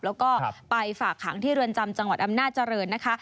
แล้วก็ไปฝากขังที่เรือนจำจังหวัดอำนาจริงนะคะ